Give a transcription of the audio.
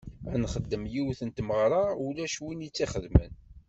Ad nexdem yiwet n tmeɣra ulac win i tt-ixedmen.